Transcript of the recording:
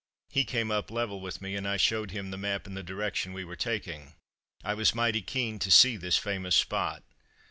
He came up level with me, and I showed him the map and the direction we were taking. I was mighty keen to see this famous spot.